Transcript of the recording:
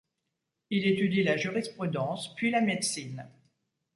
Il étudie la jurisprudence puis la médecine.